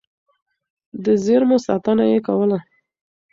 د زېرمو ساتنه يې کوله.